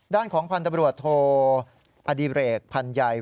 ด้านของพันธุ์ตำรวจโทรอดีรเอกพันธุ์ใหญ่